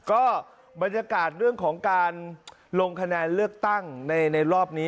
ก็บรรยากาศเรื่องของการลงคะแนนเลือกตั้งในรอบนี้